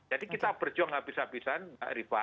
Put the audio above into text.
jadi kita berjuang habis habisan mbak riva